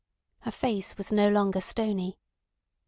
Her face was no longer stony.